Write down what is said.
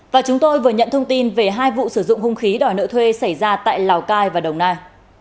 và chúng tôi vừa nhận thông tin về hai vụ sử dụng hung khí đòi nợ thuê xảy ra tại lào cai và đồng nai